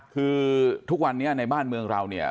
คือทุกวันนี้ในบ้านเมืองเราเนี่ย